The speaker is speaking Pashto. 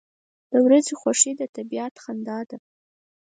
• د ورځې خوښي د طبیعت خندا ده.